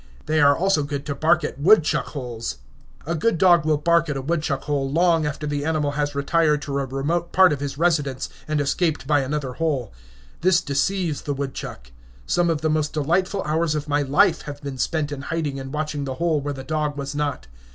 They are also good to bark at woodchuck holes. A good dog will bark at a woodchuck hole long after the animal has retired to a remote part of his residence, and escaped by another hole. This deceives the woodchuck. Some of the most delightful hours of my life have been spent in hiding and watching the hole where the dog was not.